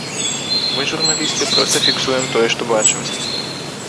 Мы, журналісты, проста фіксуем тое, што бачым.